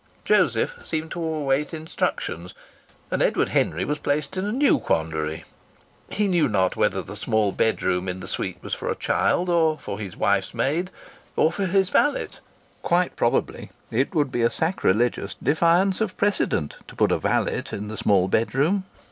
Joseph seemed to await instructions. And Edward Henry was placed in a new quandary. He knew not whether the small bedroom in the suite was for a child, or for his wife's maid, or for his valet. Quite probably it would be a sacrilegious defiance of precedent to put a valet in the small bedroom.